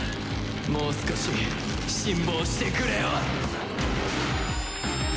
もう少し辛抱してくれよ！